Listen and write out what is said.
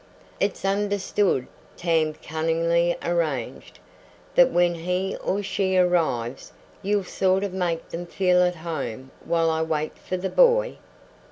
"It's understood," Tam cunningly arranged, "that when he or she arrives you'll sort of make them feel at home while I wait for the boy?"